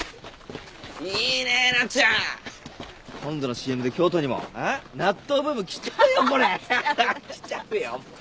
いいね奈津ちゃん。今度のＣＭで京都にも納豆ブーム来ちゃうよこれ！ハハハ！来ちゃいますか？